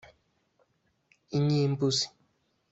Inyimbuzi